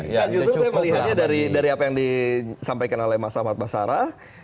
nah justru saya melihatnya dari apa yang disampaikan oleh mas ahmad basara